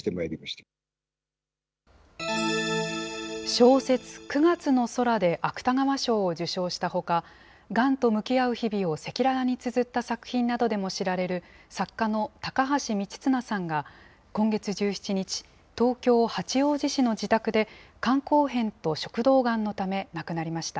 小説、九月の空で芥川賞を受賞したほか、がんと向き合う日々を赤裸々につづった作品などで知られる作家の高橋三千綱さんが今月１７日、東京・八王子市の自宅で肝硬変と食道がんのため亡くなりました。